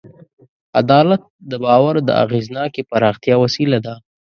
عدالت د باور د اغېزناکې پراختیا وسیله ده.